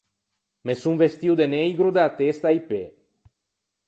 Me son vestio de neigro da-a testa a-i pê.